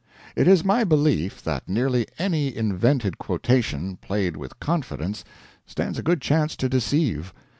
It is my belief that nearly any invented quotation, played with confidence, stands a good chance to deceive.